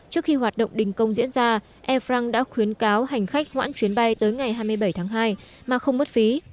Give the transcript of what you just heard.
trước khi hoạt động đình công diễn ra air france đã khuyến cáo hành khách hoãn chuyến bay tới ngày hai mươi bảy tháng hai mà không mất phí